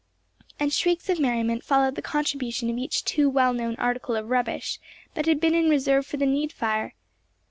And shrieks of merriment followed the contribution of each too well known article of rubbish that had been in reserve for the Needfire!